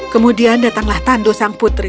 kemudian datanglah tandu sang putri